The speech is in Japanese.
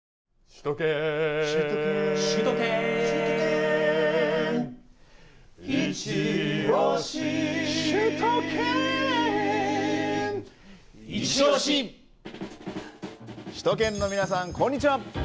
首都圏の皆さんこんにちは！